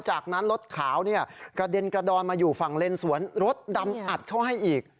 จากนั้นรถขาวเนี่ยกระเด็นกระดอนมาอยู่ฝั่งเลนสวนรถดำอัดเขาให้อีก